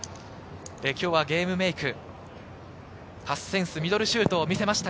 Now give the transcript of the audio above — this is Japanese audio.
今日はゲームメーク、パスセンス、ミドルシュートを見せました。